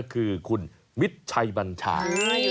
คือคุณมิตรชัยบัญชา